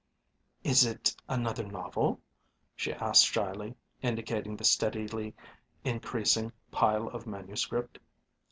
"Is it another novel?" she asked shyly, indicating the steadily increasing pile of manuscript.